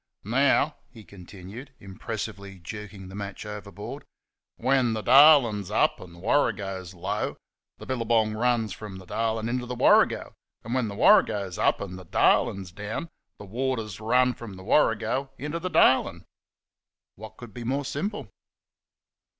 " Now," he continued, impressively, jerking the match over board, " when the Darlin's up, and the Warrygo's low, the billygong runs from the Darlin' into the Warrygo and, when the Warrygo's up 'n' the Darlin's down, the waters runs from the Warrygo 'n' inter the Darlin'." What could be more simple